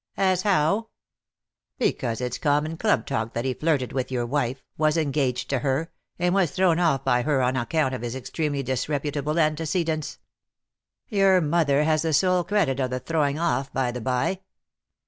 '' As how ?"" Because it^s common club talk that he flirted with your wife — was engaged to her — and was thrown off by her on account of his extremely disreputable antecedents. Your mother has the sole credit of the throwing off, by the by."